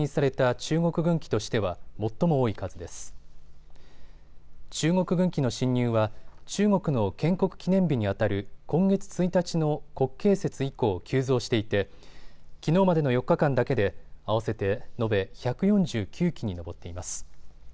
中国軍機の進入は中国の建国記念日にあたる今月１日の国慶節以降、急増していてきのうまでの４日間だけで合わせて延べ１４９機に上っています。